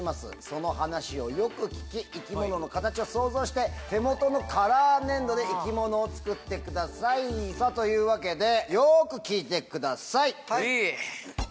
その話をよく聞き生き物の形を想像して手元のカラー粘土で生き物を作ってください。というわけで。